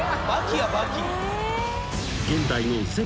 ［現代の全